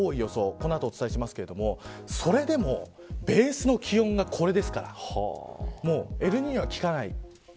この後お伝えしますがそれでもベースの気温がこれですからエルニーニョは効かない。